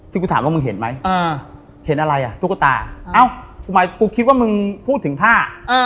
ซึ่งกูถามว่ามึงเห็นไหมเห็นอะไรอ่ะตุ๊กตาเอ้าทำไมกูคิดว่ามึงพูดถึงผ้า